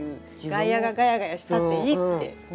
外野がガヤガヤしたっていいって。